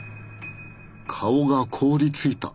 顔が凍りついた。